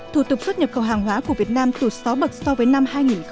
thủ tục xuất nhập khẩu hàng hóa của việt nam tụt sáu bậc so với năm hai nghìn một mươi